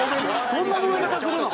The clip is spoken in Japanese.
そんな揉め方するの！？